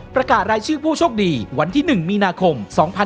ประกาศรายชื่อผู้โชคดีวันที่๑มีนาคม๒๕๖๒